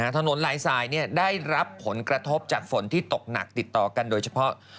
ถนนหลายสายได้รับผลกระทบจากฝนที่ตกหนักติดต่อกันโดยเฉพาะ